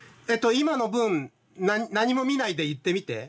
今の文何も見ないで言ってみて。